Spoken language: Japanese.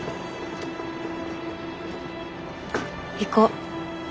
行こう。